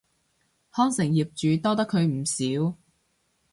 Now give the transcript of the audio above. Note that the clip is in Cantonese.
康城業主多得佢唔少